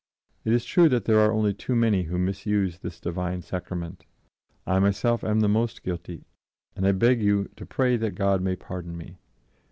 It is true that there are only too many who misuse this Divine Sacrament. I myself am the most guilty, and I beg you to pray that God may pardon me